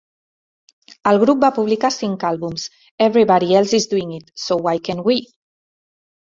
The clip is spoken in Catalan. El grup va publicar cinc àlbums: Everybody Else Is Doing It, So Why Can't We?